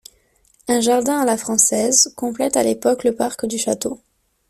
Un jardin à la française complète à l'époque le parc du château.